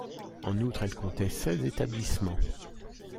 En outre, elle comptait seize établissements.